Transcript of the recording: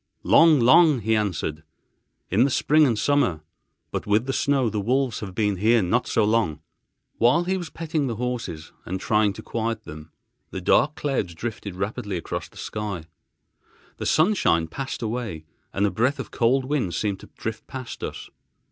"Long, long," he answered, "in the spring and summer; but with the snow the wolves have been here not so long." Whilst he was petting the horses and trying to quiet them, dark clouds drifted rapidly across the sky. The sunshine passed away, and a breath of cold wind seemed to drift past us.